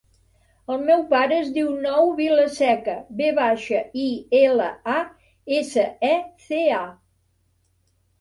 El meu pare es diu Nouh Vilaseca: ve baixa, i, ela, a, essa, e, ce, a.